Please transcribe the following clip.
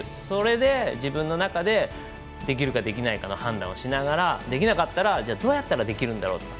それで、自分の中でできるかできないかの判断をしながらできなかったらどうやったらできるんだろう。